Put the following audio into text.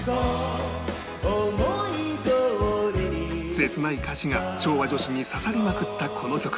切ない歌詞が昭和女子に刺さりまくったこの曲